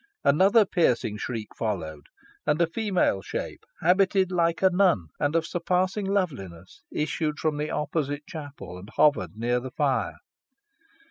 Another piercing shriek followed, and a female shape, habited like a nun, and of surpassing loveliness, issued from the opposite chapel, and hovered near the fire.